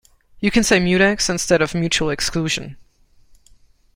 You can say mutex instead of mutual exclusion.